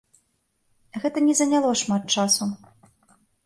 Гэта не заняло шмат часу.